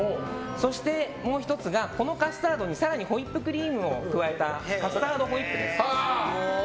そしてもう１つがこのカスタードに更にホイップクリームを加えたカスタードホイップです。